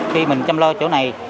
khi mình chăm lo chỗ này